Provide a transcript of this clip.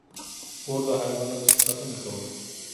• اور د حیواناتو څخه ساتنه کوله.